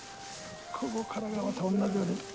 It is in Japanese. ここからがまた同じように。